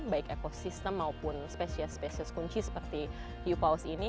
baik ekosistem maupun spesies spesies kunci seperti yupaus ini